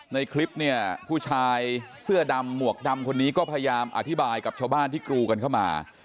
ในคลิปเนี่ยผู้ชายเสื้อดำหมวกดำคนนี้ก็พยายามอธิบายกับชาวบ้านที่กรูกันเข้ามา